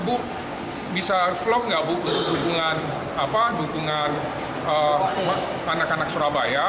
bu bisa vlog nggak bu untuk dukungan anak anak surabaya